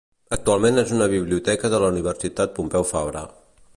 Actualment és una biblioteca de la Universitat Pompeu Fabra.